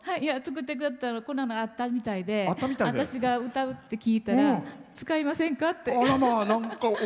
作ってくれたらこんなのあったみたいで私が歌うって聞いたら使いませんかって。